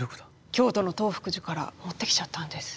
京都の東福寺から持ってきちゃったんです。